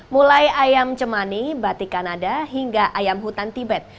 mulai ayam cemani batik kanada hingga ayam hutan tibet